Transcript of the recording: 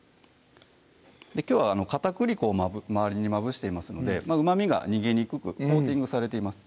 きょうは片栗粉を周りにまぶしていますのでうまみが逃げにくくコーティングされています